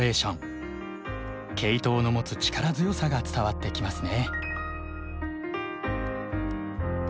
ケイトウの持つ力強さが伝わってきますね。